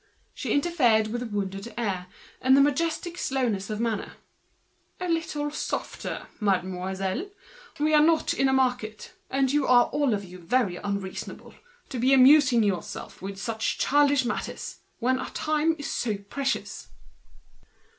She interfered with a wounded air, and a majestic slowness: "A little softer, mademoiselle. We are not in a market. And you are all very unreasonable, to be amusing yourselves with these childish matters, when our time is so precious."